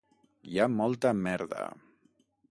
Hi ha molta merda.